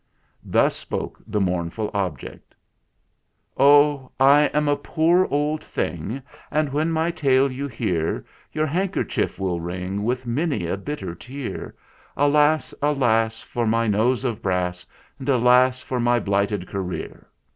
Thus spoke the mournful object: "Oh, I am a poor old thing, And when my tale you hear, Your handkerchief will wring With many a bitter tear. Alas, alas! for my nose of brass, And alas! for my blighted career.